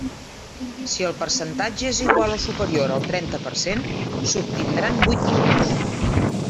I si el percentatge és igual o superior al trenta per cent s'obtindran vuit punts.